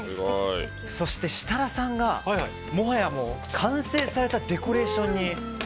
そして、設楽さんがもはや完成されたデコレーションに。